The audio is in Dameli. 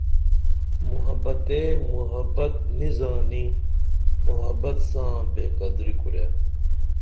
محبت تے محبت نی زانی محبت ساں بے قدری کُرے